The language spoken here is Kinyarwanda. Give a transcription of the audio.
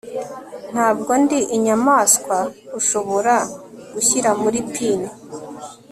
ntabwo ndi inyamaswa ushobora gushyira muri pin